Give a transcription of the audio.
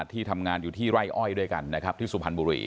ที่ทำงานอยู่ที่ไร่อ้อยด้วยกันนะครับที่สุพรรณบุรี